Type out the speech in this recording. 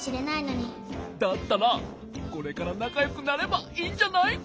だったらこれからなかよくなればいいんじゃない？